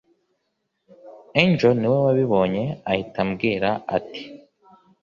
angel niwe wabibonye ahita ambwira ati